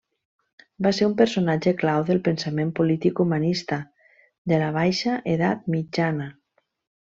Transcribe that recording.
Va ser un personatge clau del pensament polític humanista de la baixa edat mitjana.